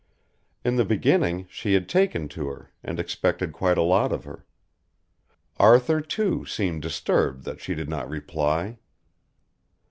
In the beginning she had taken to her, and expected quite a lot of her. Arthur, too, seemed disturbed that she did not reply.